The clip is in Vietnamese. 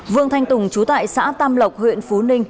vương thanh tùng chú tại xã tam lộc huyện phú ninh